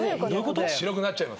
白くなっちゃいますね。